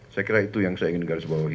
saya kira itu yang saya ingin garis bawahi